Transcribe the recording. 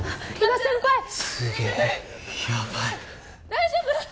大丈夫！？